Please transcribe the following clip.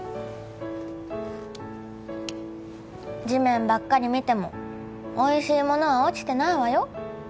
地面ばっかり見てもおいしいものは落ちてないわよ